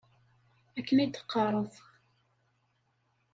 Akken i d-teqqareḍ.